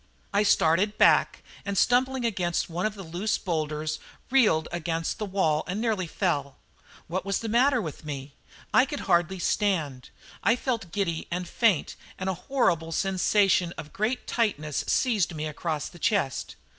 I started back, and stumbling against one of the loose boulders reeled against the wall and nearly fell. What was the matter with me? I could hardly stand. I felt giddy and faint, and a horrible sensation of great tightness seized me across the chest.